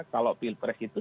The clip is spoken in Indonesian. kalau pilpres itu